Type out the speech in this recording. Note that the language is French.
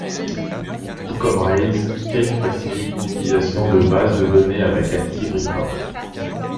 Tout comme Rails, Cake facilite l'utilisation de Bases de données avec Active record.